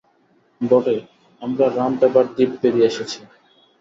বটে, আমরা রাম পেপার দ্বীপ পেরিয়ে এসেছি।